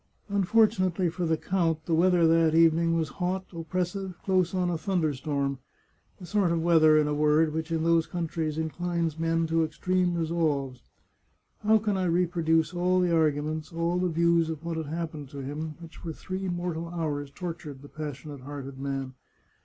Unfortunately for the count, the weather that evening was hot, oppressive, close on a thunder storm — the sort of weather, in a word, which in those countries inclines men to extreme resolves. How can I reproduce all the arguments, all the views of what had happened to him, which for three mortal hours tortured the passionate hearted man?